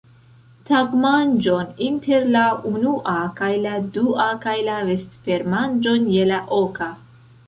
tagmanĝon inter la unua kaj la dua kaj la vespermanĝon je la oka.